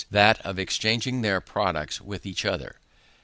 that of exchanging their products with each other.